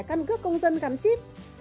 căn cấp công dân gắn chip